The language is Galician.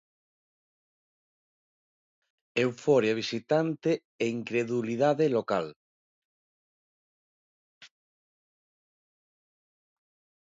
Euforia visitante e incredulidade local.